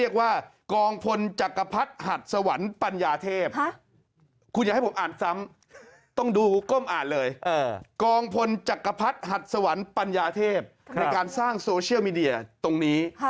กองพลจักรพรรดิ์หัดสวรรค์ปัญญาเทพฯในการสร้างโซเชียลมีเดียตรงนี้